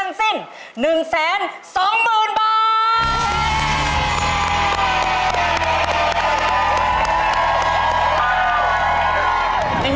เงินเงินเงินเงิน